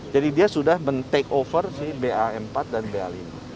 jadi dia sudah men takeover si bam empat dan bam lima